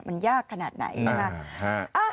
มันยากขนาดไหนนะคะ